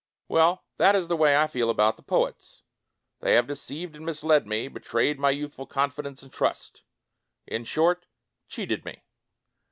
Well, that is the way I feel about the poets. They have deceived and misled me, be trayed my youthful confidence and trust — in short, cheated me.